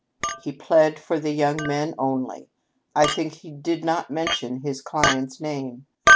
He plead for the young men only ; I think he did not mention his client's name.